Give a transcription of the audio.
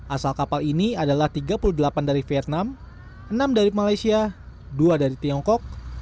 asal kapal ini adalah tiga puluh delapan dari vietnam enam dari malaysia dua dari tiongkok